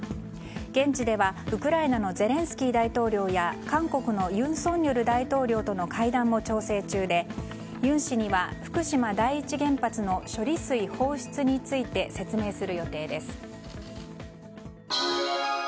現地ではウクライナのゼレンスキー大統領や韓国の尹錫悦大統領との会談も調整中で尹氏には、福島第一原発の処理水放出について説明する予定です。